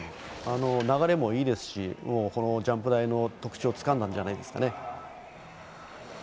流れもいいですしこのジャンプ台の特徴をつかんだんじゃないですかね。